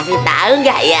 kasih tau gak ya